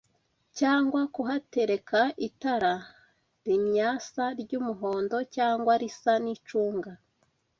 cyangwa kuhatereka itara rimyatsa ry'umuhondo cyangwa risa n'icunga